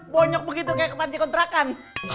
bonyok begitu kayak panti kontrakan